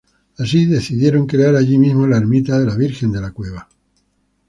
Así, decidieron crear allí mismo la ermita de la virgen de la cueva.